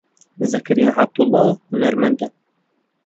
زەکەریا عەبدوڵڵا هونەرمەندە.